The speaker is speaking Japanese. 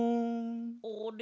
あれ？